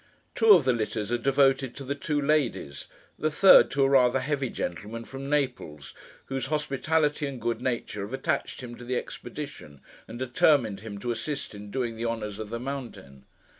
Two of the litters are devoted to the two ladies; the third, to a rather heavy gentleman from Naples, whose hospitality and good nature have attached him to the expedition, and determined him to assist in doing the honours of the mountain.